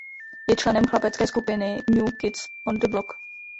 Je členem chlapecké skupiny New Kids on the Block.